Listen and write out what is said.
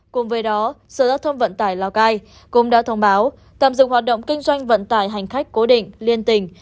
cùng với đó sở giao thông vận tải lào cai cũng đã thông báo tạm dừng hoạt động kinh doanh vận tải hành khách cố định liên tỉnh